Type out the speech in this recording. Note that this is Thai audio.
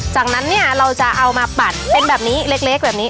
จากนั้นเนี่ยเราจะเอามาปัดเป็นแบบนี้เล็กแบบนี้